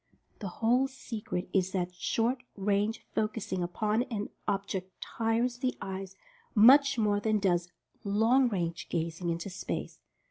The whole secret is that short range focusing upon an object tires the eyes much more than does "long range" gazing into space.